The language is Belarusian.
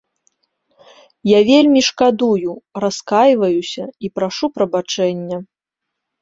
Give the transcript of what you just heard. Я вельмі шкадую, раскайваюся і прашу прабачэння.